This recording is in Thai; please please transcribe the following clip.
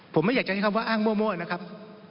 ผมไม่อยากจะใช้คำว่าอ้างมั่วนะครับ